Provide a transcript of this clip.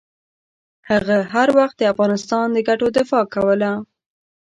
هغه هر وخت د افغانستان د ګټو دفاع کوله.